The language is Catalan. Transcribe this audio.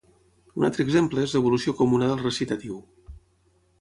Un altre exemple és l'evolució comuna del recitatiu.